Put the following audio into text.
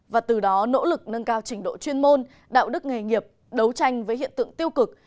và từ đó nỗ lực nâng cao trình độ chuyên môn đạo đức nghề nghiệp đấu tranh với hiện tượng tiêu cực